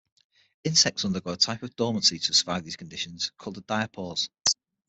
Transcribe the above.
Insects undergo a type of dormancy to survive these conditions, called diapause.